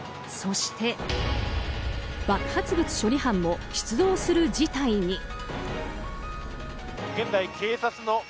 そして爆発物処理班も出動する事態に。